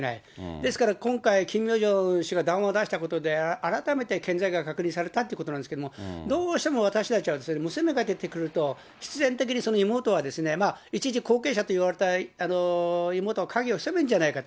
ですから今回、キム・ヨジョン氏が談話を出したことで改めて健在が確認されたということなんですけど、どうしても私たちは娘が出てくると、必然的にその妹は一時後継者といわれた妹が影をひそめるんじゃないかと。